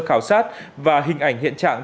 khảo sát và hình ảnh hiện trạng